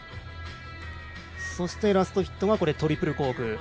そして、ラストヒットがトリプルコーク。